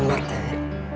kamu selingkuh kemet